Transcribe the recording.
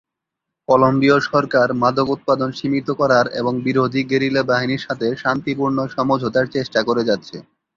কলম্বীয় সরকার মাদক উৎপাদন সীমিত করার এবং বিরোধী গেরিলা বাহিনীর সাথে শান্তিপূর্ণ সমঝোতার চেষ্টা করে যাচ্ছে।